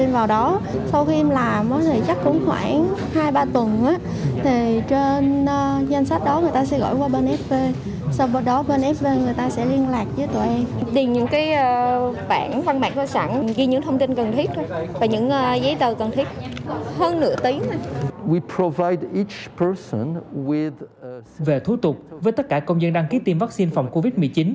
về thủ tục với tất cả công dân đăng ký tiêm vaccine phòng covid một mươi chín